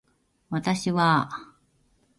私はあ